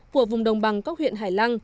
của vùng đồng bằng các huyện hải lăng